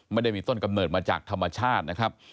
ไม่ได้มีต้นกำเนิดมาจากธรรมชาตินะครับ